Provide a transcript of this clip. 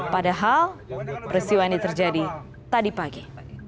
padahal peristiwa ini terjadi tadi pagi